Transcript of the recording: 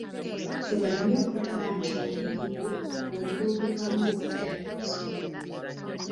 Fuba nnyo okulaba nti obuliri bwo buli lwobuvaamu obuddaabiriza.